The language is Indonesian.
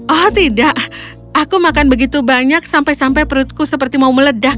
oh tidak aku makan begitu banyak sampai sampai perutku seperti mau meledak